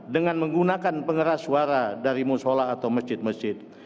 dengan menggunakan pengeras suara dari musola atau masjid masjid